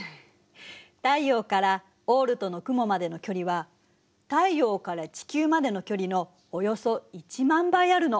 太陽からオールトの雲までの距離は太陽から地球までの距離のおよそ１万倍あるの。